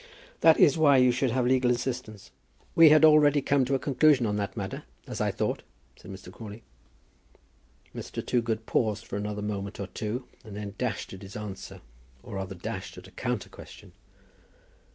"That is why you should have legal assistance." "We had already come to a conclusion on that matter, as I thought," said Mr. Crawley. Mr. Toogood paused for another moment or two, and then dashed at his answer; or rather, dashed at a counter question.